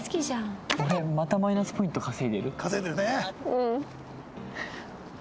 うん。